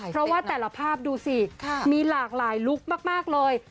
เพราะว่าแต่ละภาพดูสิมีหลากหลายลุคมากเลย